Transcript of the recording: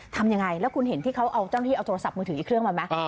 ทำยังไงแล้วคุณเห็นที่เขาเอาเจ้าหน้าที่เอาโทรศัพท์มือถืออีกเครื่องมาไหม